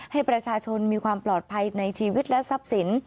ให้ประชาชนมีความปลอดภัยในชีวิตและทรัพย์สิน